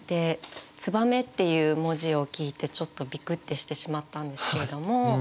「燕」っていう文字を聞いてちょっとびくってしてしまったんですけれども。